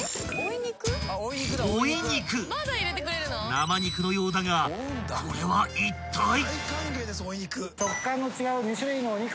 ［生肉のようだがこれはいったい？］